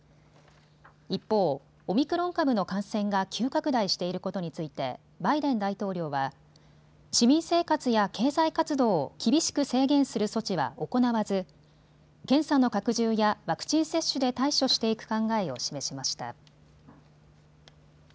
一方、オミクロン株の感染が急拡大していることについてバイデン大統領は市民生活や経済活動を厳しく制限する措置は行わず検査の拡充やワクチン接種で対処していく考えを示しました。